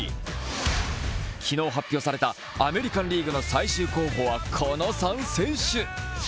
昨日発表されたアメリカン・リーグの最終候補はこの３選手。